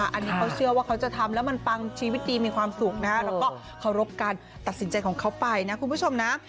อันนี้เขาเชื่อว่าเขาจะทำแล้วมันปังชีวิตดีมีความสุขนะแล้วก็เคารพการตัดสินใจของเขาไปนะคุณผู้ชมนะ